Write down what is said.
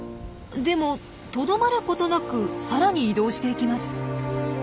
でもとどまることなくさらに移動していきます。